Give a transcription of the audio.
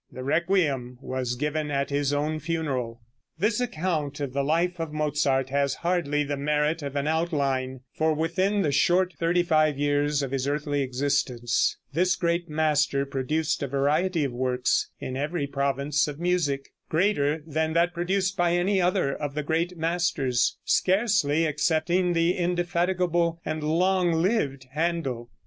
The "Requiem" was given at his own funeral. This account of the life of Mozart has hardly the merit of an outline, for within the short thirty five years of his earthly existence this great master produced a variety of works in every province of music, greater than that produced by any other of the great masters, scarcely excepting the indefatigable and long lived Händel.